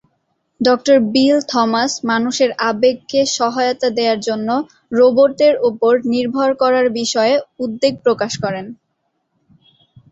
ডঃ Bill Thomas মানুষের আবেগকে সহায়তা দেয়ার জন্য রোবটের উপর নির্ভর করার বিষয়ে উদ্বেগ প্রকাশ করেন।